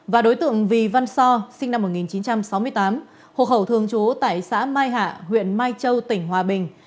và đối tượng vì văn so sinh năm một nghìn chín trăm sáu mươi tám hộ khẩu thường trú tại xã mai hạ huyện mai châu tỉnh hòa bình